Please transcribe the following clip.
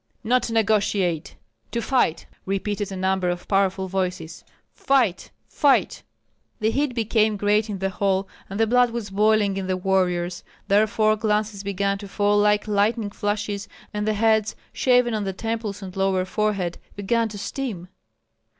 "Not to negotiate; to fight!" repeated a number of powerful voices, "fight! fight!" The heat became great in the hall, and the blood was boiling in the warriors; therefore glances began to fall like lightning flashes, and the heads shaven on the temples and lower forehead began to steam.